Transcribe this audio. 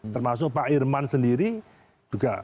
termasuk pak irman sendiri juga